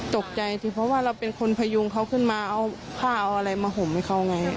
ตกใจสิเพราะว่าเราเป็นคนพยุงเขาขึ้นมาเอาผ้าเอาอะไรมาห่มให้เขาไง